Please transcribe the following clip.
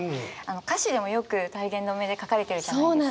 歌詞でもよく体言止めで書かれてるじゃないですか。